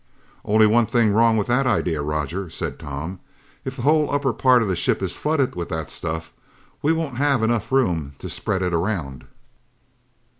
"Only one thing wrong with that idea, Roger," said Tom. "If the whole upper part of the ship is flooded with that stuff, we won't have enough room to spread it around."